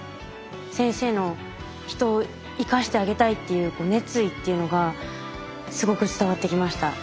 先生の人を生かしてあげたいっていう熱意っていうのがすごく伝わってきました。